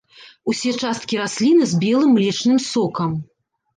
Усе часткі расліны з белым млечным сокам.